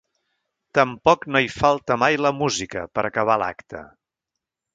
Tampoc no hi falta mai la música, per a acabar l’acte.